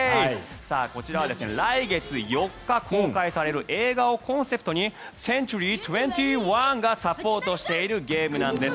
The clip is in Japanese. こちらは来月４日公開される映画をコンセプトにセンチュリー２１がサポートしているゲームなんです。